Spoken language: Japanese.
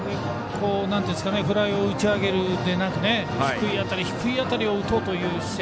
フライを打ち上げるのではなく低い当たりを打とうという姿勢